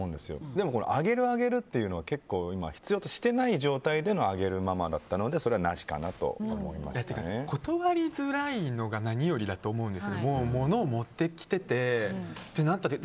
でも、あげるあげるっていうのは結構、必要としていない状態でもあげるママだったので断りづらいのが何よりだと思うんですけど物を持ってきててってなったら。